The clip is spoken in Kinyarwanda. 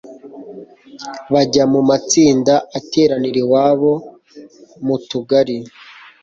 bajya mu matsinda ateranira iwabo mu tugari